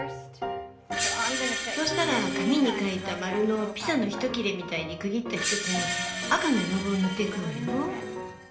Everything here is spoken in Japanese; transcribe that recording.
そうしたら紙に描いたマルのピザの１切れみたいに区切った１つに赤の絵の具を塗っていくわよ。